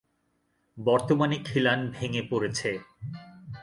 বর্তমানে খিলান ভেঙ্গে পড়েছে।